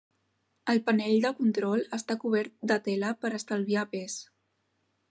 El panell de control està cobert de tela per estalviar pes.